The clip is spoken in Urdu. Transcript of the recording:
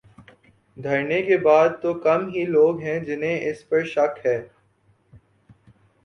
دھرنے کے بعد تو کم ہی لوگ ہیں جنہیں اس پر شک ہے۔